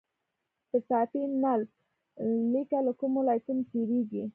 د ټاپي نل لیکه له کومو ولایتونو تیریږي؟